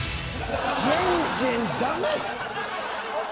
全然ダメ！